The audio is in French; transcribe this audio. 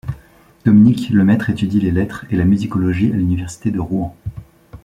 Dominique Lemaître étudie les lettres et la musicologie à l’Université de Rouen.